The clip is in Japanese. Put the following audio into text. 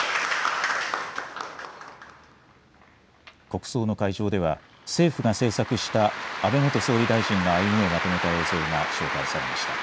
国葬の会場では、政府が制作した安倍元総理大臣の歩みをまとめた映像が紹介されました。